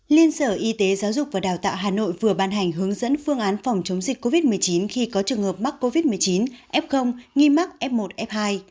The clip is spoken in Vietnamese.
liên sở y tế giáo dục và đào tạo hà nội vừa ban hành hướng dẫn phương án phòng chống dịch covid một mươi chín khi có trường hợp mắc covid một mươi chín f nghi mắc f một f hai